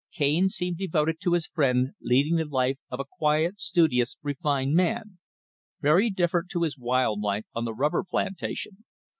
Cane seemed devoted to his friend, leading the life of a quiet, studious, refined man very different to his wild life on the rubber plantation.